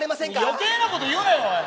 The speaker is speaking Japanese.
余計なこと言うなよおい